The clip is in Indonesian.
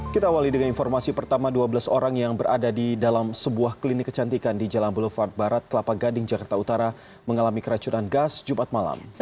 kita awali dengan informasi pertama dua belas orang yang berada di dalam sebuah klinik kecantikan di jalan boulevard barat kelapa gading jakarta utara mengalami keracunan gas jumat malam